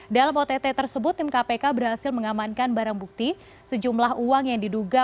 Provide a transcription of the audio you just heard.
dalam ott tersebut tim kpk berhasil mengamankan barang bukti sejumlah uang yang diduga